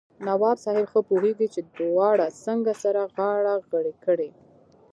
نواب صاحب ښه پوهېږي چې دواړه څنګه سره غاړه غړۍ کړي.